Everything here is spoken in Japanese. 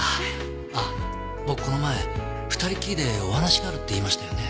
あっ僕この前２人きりでお話があるって言いましたよね。